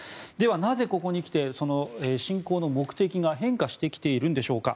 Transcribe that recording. なぜここにきて侵攻の目的が変化してきているんでしょうか。